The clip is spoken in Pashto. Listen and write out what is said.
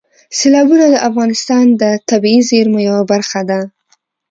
سیلابونه د افغانستان د طبیعي زیرمو یوه برخه ده.